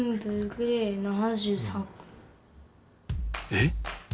えっ！